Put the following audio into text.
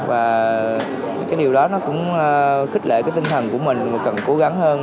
và điều đó cũng khích lệ tinh thần của mình cần cố gắng hơn